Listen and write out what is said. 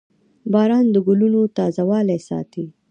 • باران د ګلونو تازهوالی ساتي.